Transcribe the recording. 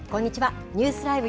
ニュースＬＩＶＥ！